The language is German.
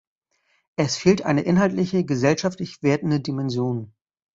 Es fehlt eine inhaltliche, gesellschaftlich wertende Dimension.